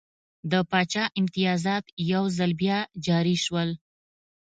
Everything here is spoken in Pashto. د پاچا امتیازات یو ځل بیا جاري شول.